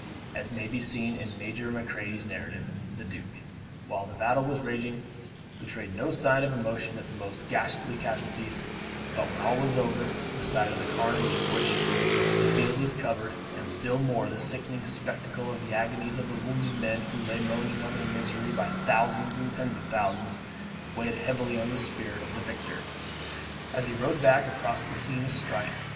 As may be seen in Major Macready's narrative, the Duke, while the battle was raging, betrayed no sign of emotion at the most ghastly casualties; but, when all was over, the sight of the carnage with which the field was covered, and still more, the sickening spectacle of the agonies of the wounded men who lay moaning in their misery by thousands and tens of thousands, weighed heavily on the spirit of the victor, as he rode back across the scene of strife.